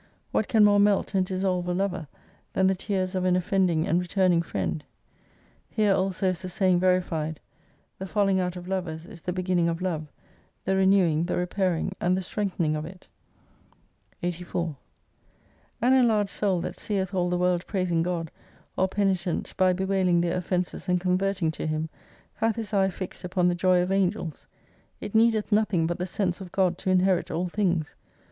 What can more melt and dissolve a lover than the tears of an offending and returning friend ? Here also is the saying verified, The falling out of lovers is the beginning of love , the reneiving^ the repairing^ and the strengthening of it. 84 An enlarged soul that seeth all the world praising God, or penitent by bewailing their offences and con verting to Him, hath his eye fixed upon the joy of Angels. It needeth nothing but the sense of God to inherit all things.